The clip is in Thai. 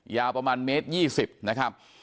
ยาวประมาณเมตรยี่สิบนะครับ